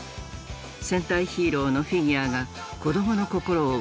戦隊ヒーローのフィギュアが子どもの心をわしづかみ。